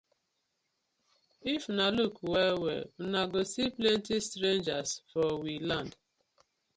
If una luuk well well uno go see plenty strangers for we land.